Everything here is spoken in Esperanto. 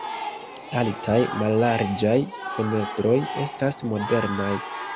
Altaj mallarĝaj fenestroj estas modernaj.